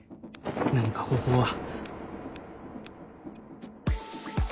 何か方法は